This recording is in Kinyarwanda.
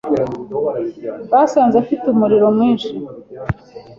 basanze afite umuriro mwinshi